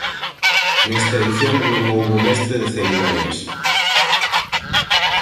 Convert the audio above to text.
Nesta edición non houbo mestre de cerimonias.